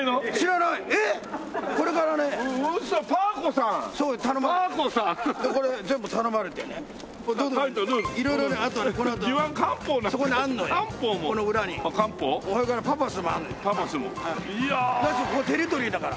なんせここテリトリーだから。